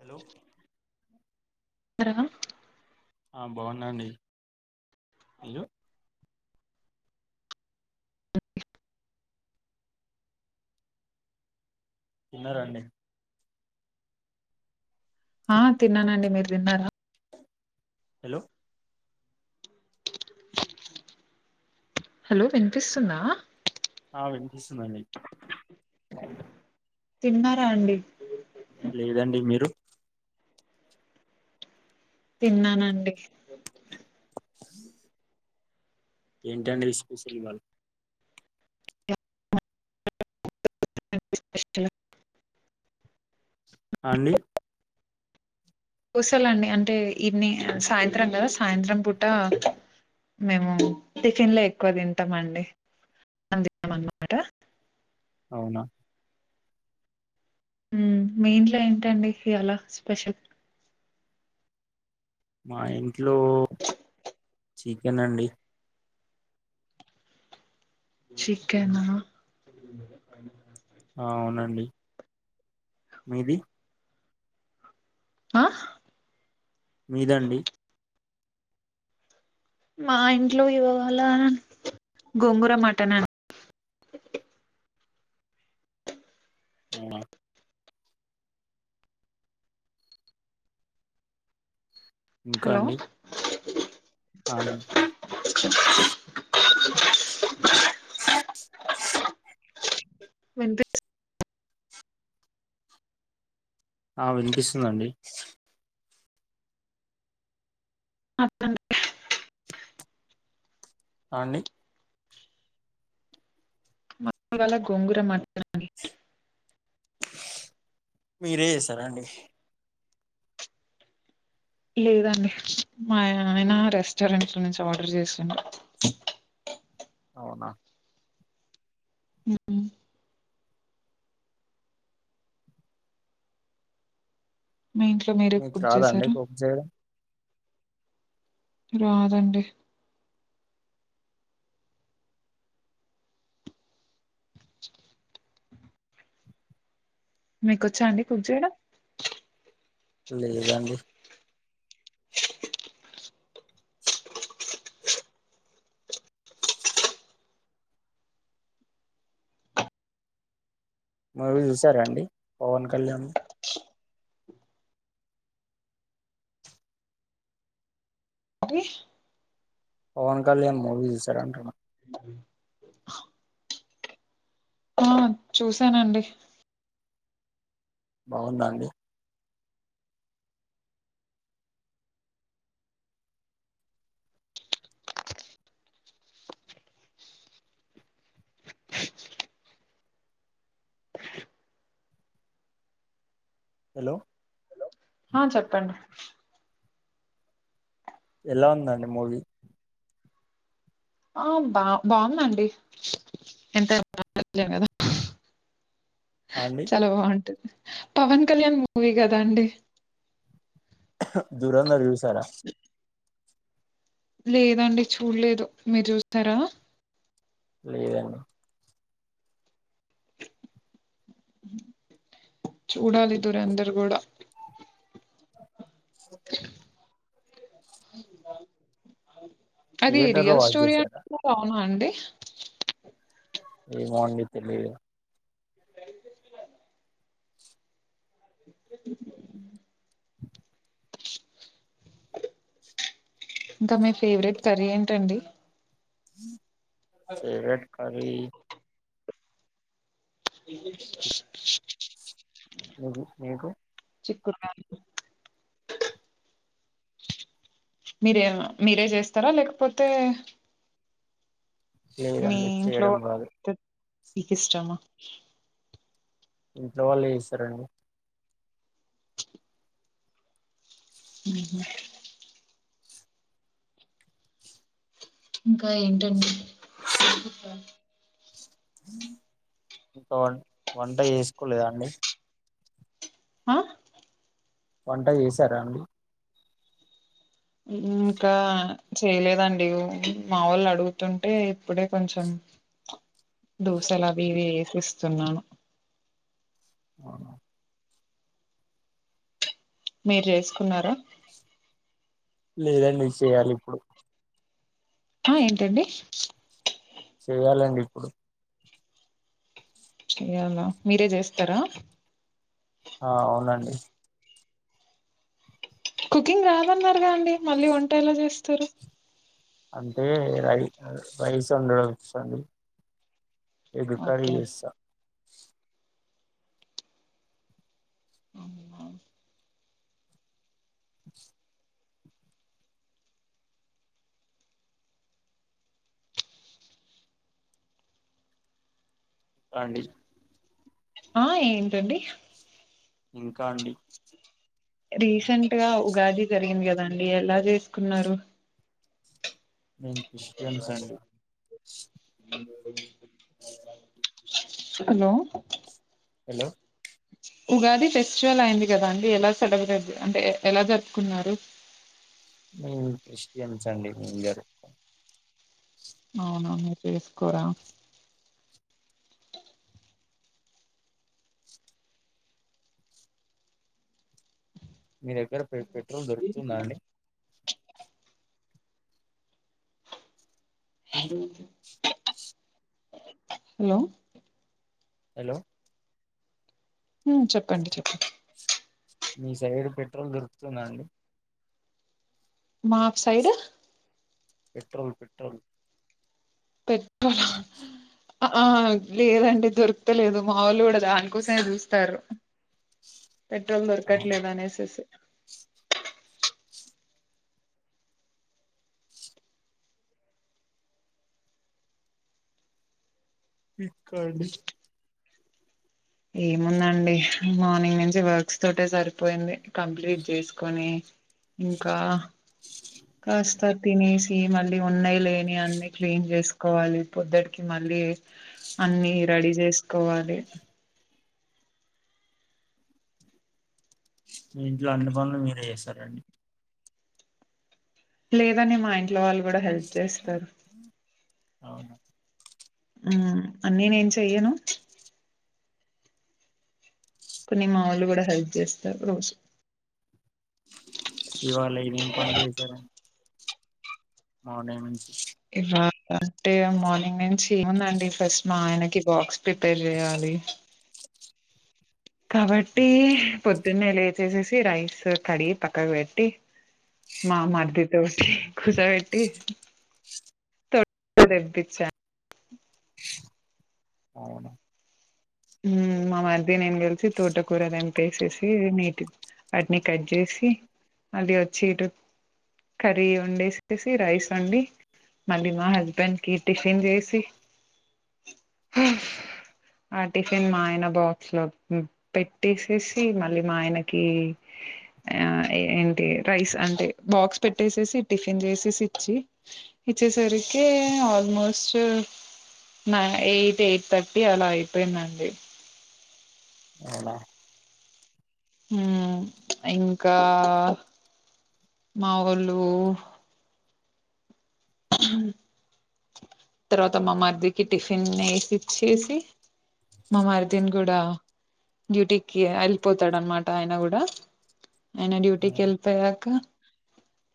hello అర ఆ బాగున్నండి మీరు తిన్నారండి ఆ తిన్నానండి మీరు తిన్నారా హలో హలో వినిపిస్తుందా ఆ వినిపిస్తుంది అండి తిన్నారా అండి లేదండి మీరు తిన్నానండి అ ఏంటండి ఇస్పెషల్ ఇవాళ [inaudible] అండి కుశలండి అంటే ఇవేని సాయంత్రం కదా సాయంత్రం పూట మేము టిఫెన్ లే ఎక్కువ తింటామండి [unintelligible] అన్నమాట అవునా ఉమ్ మీ ఇంట్లో ఏంటండి ఇయాలా స్పెషల్ మా ఇంట్లో చికెన్ అండి చికెనా ఆ అవునండి మీది ఆ మీదండి మా ఇంట్లో ఇవాళ గోంగూర మటన్ అండి [inaudible] అవునా ఇంకా హలో అండి [inaudible] అ [inaudible] వినిపి ఆ వినిపిస్తుందండి [unintelligible] ఆ అండి ఇవాళ గోంగూర మటన్ అండి మీరే చేసారండి లేదండి మా ఆయన రెస్టారెంట్ నుంచి ఆర్డర్ చేసిండు అవునా ఉమ్ మీ ఇంట్లో మీరే మీకు కుక్ రాదా అండి చేశారా కుక్ చేయడం రాదండి [inaudible] మీకు వచ్చా అండి కుక్ చేయడం లేదండి మూవీ చూసారండి పవన్ కళ్యాణ్ [inaudible] పవన్ కళ్యాణ్ మూవీ జూశార అంటున్నా ఆ చూసానండి బాగుందా అండి హలో ఆ చెప్పండి ఎలావుందండి మూవీ ఆ బా బాగుందండి ఎంతైనా [inaudible] [inaudible] అండి చాలా బాగుంట్టుంది పవన్ కళ్యాణ్ మూవీ గదా అండి ధురందర్ జూసారా లేదండి చూడలేదు మీరు చూసారా లేదండి [inaudible] చూడాలి ధురందర్ గూడా [inaudible] అది థియేటర్ లో రియల్ వాచ్ స్టోరీ చేసారా [unintelligible] అవునా అండి ఏమో అండి తెలియదు [inaudible] [inaudible] ఇంకా మీ ఫేవరెట్ కర్రీ ఏంటండి ఫెవరెట్ కర్రీ [inaudible] నీకు చిక్కురుగయ్ మీరిగా మీరే చేస్తారా లేకపోతే మీ లేదండి ఇంట్లో చేయడం రాదు [inaudible] ఇష్టమా ఇంట్లో వాళ్ళు చేస్తారండి ఉహు ఇంకా ఏంటండి ఇంక వం వంట చేసుకోలేదా అండి ఆ వంట చేశారా అండి ఇంకా చేయలేదండి మా వొళ్ళు అడుగుతుంటే ఇప్పుడే కొంచెం దోసలావియివి ఎసి ఇస్తున్నాను మీరు చేసుకున్నారా లేదండి చేయాలి ఇప్పుడు ఆ ఏంటండి చేయాలండి ఇప్పుడు చె్యాలా మీరే చేస్తారా ఆ అవునండి కుకింగ్ రాదన్నారుగా అండి మళ్ళీ వంట ఎలా చేస్తారు అంటే రై రైస్ వండడం వచండి ఎగ్ కర్రీ ఓకే చేస్తా [inaudible] అండి ఆ ఏంటండి ఇంకా అండి రీసెంట్ గా ఉగాది జరిగింది కదాండి ఎలా చేసుకున్నారు నేన్ క్రిస్టియన్స్ అండీ హలో హలో ఉగాది ఫెస్టివల్ అయింది కదా అండి ఎలా సెలబ్రేట్ అంటే ఎలా జరుపుకున్నారు మేమ్ క్రిస్టియన్స్ అండి మేం జరుపుకో అవున మీర్ చేసుకోరా మీ దగ్గర పె పెట్రోల్ దొరుకుతుందాండి అండీ హలో హలో ఉమ్ చెప్పండి చెప్పండి మీ సైడ్ పెట్రోల్ దొరుకుతుంద అండి మాపు సైడ్ పెట్రోల్ పెట్రోల్ పెట్రోల్ ఆ లేదండి దొరుకుతలేదు మావొళ్లు కూడా దానికోసమే చూస్తారు పెట్రోల్ అవును దొర్కట్లేదానేేసెసి [unintelligible] ఏముందండి మార్నింగ్ నుంచి వర్క్స్ తోటే సరిపోయింది కంప్లీట్ చేసుకొని ఇంకా కాస్త తినేసి మళ్ళీ ఉన్నాయి లేని అన్ని క్లీన్ చేసుకోవాలి పొద్దుటికి మళ్ మళ్ళీ అన్ని రెడీ చేసుకోవాలి మీ ఇంట్లో అన్ని పనులు మీరే చేస్తారండి లేదండి మా ఇంట్లో వాళ్ళు కూడా హెల్ప్ చేస్తారు అవున ఉ అన్ని నేను చెయ్యను కొన్ని మా వొళ్ళు కూడా హెల్ప్ చేస్తారు రోజు ఇవాళ ఏవేం పనులు చేసార మావునే మంచి ఇవా అంటే మార్నింగ్ నుంచి ఏముందండి ఫస్ట్ మా ఆయనకి బాక్స్ ప్రిపేర్ చెయ్యాలి కాబట్టి పొద్దున్నే లేచేసేసి రైస్ కడిగి పక్కకు పెట్టి మా మారిదితో కుసా పెట్టి దేబించా అవును ఉ మా మరిది నేను కలిసి తోట కూర తెంపేసిసి నీటి వాటిని కట్ చేసి అది వచ్చిండ్రు కర్రీ వండేసి రైస్ వండి మళ్ళీ మా హస్బెండ్ కి టిఫిన్ చేసి ఆ టిఫిన్ మా ఆయన బాక్స్ లో పెట్టేసేసి మళ్ళీ మా ఆయనకి ఆ ఏ ఏంటి రైస్ అంటే బాక్స్ పెట్టేసేసి టిఫిన్ చేసేసి ఇచ్చి ఇచ్చేసరికి ఆల్మోస్ట్ నై ఎయిట్ ఎయిట్ థర్టీ అలా అయి అయిపోయిందండి అవునా హ ఇంకా మా ఒళ్ళు తర్వాత మా మరిదికి టిఫిన్ ఏసి ఇచ్చేసి మా మరిదిన్ కూడా డ్యూటీకి వెళ్ళిపోతాడ అనమాట ఆయన కూడా ఆయన డ్యూటీకి వెళ్ళిపోయాక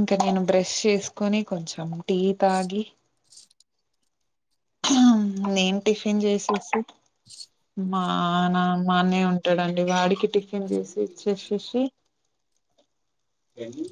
ఇంకా నేను బ్రష్ చేసుకోని కొంచెం టీ తాగి నేను టిఫిన్ చేసేసి మా ఆ నా మా అన్నయ్య ఉంటాడండి వాడికి టిఫిన్ చేసి ఇచ్చేసేసి ఏంది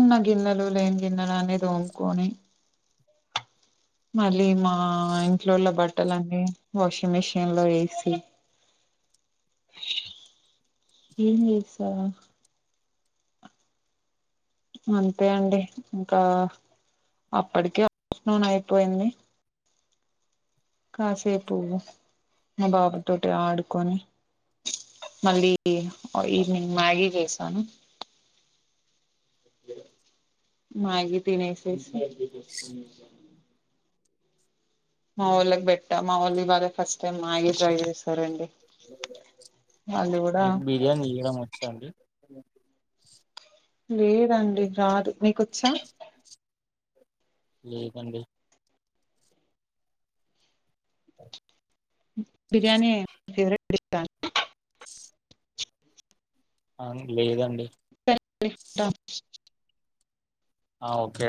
ఉన్న గిన్నెలు లేని గిన్నెలు అన్ని తోముకొని మళ్ళీ మా ఇంట్లోళ బట్టలు అన్నీ వాషింగ్ మిషిన్ లో వేసి ఏం చేస్తారు అంతే అండి ఇంకా అప్పటికే ఆఫ్టర్నూన్ అయిపోయింది కాసేపు మా బాబు తోటి ఆడుకోని మళ్ళీ ఈవినింగ్ మ్యాగీ చేసాను మ్యాగీ తినేసేసి మా వాళ్ళకి పెట్టా మా వాళ్లు ఈగ అదే ఫస్ట్ టైం మ్యాగీ ట్రై చేశా సరేండి వాళ్లు కూడా సండి లేదండి రాదు నీకొచ్చా లేదండి బిర్యానీ ఫవరెట్ డిష్ లేదండి సరే అండి ఉంటాను ఆ ఓకే